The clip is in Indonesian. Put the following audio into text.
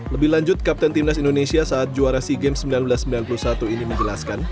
lebih lanjut kapten timnas indonesia saat juara sea games seribu sembilan ratus sembilan puluh satu ini menjelaskan